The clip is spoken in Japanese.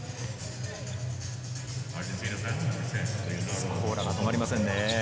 スコーラは止まりませんね。